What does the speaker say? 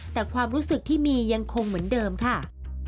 แต่ความรู้สึกที่มียังคงเหมือนเดิมค่ะ